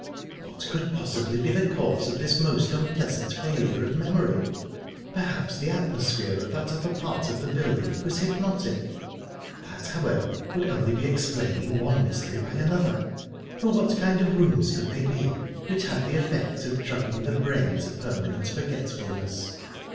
What could possibly be the cause of this most unpleasant failure of memory?...Perhaps the atmosphere of that upper part of the building was hypnotic? That, however, would only be explaining one mystery by another, for what kind of rooms could they be which had the effect of drugging the brain to permanent forgetfulness?